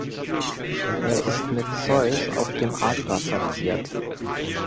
Er ist mit Zeus auf dem Adler verziert.